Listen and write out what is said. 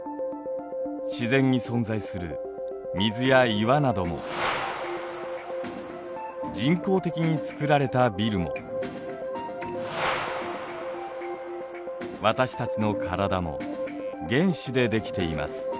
自然に存在する水や岩なども人工的に造られたビルも私たちの体も原子で出来ています。